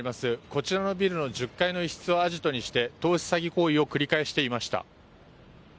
こちらのビルの１０階の一室をアジトにして投資詐欺行為を繰り返していました。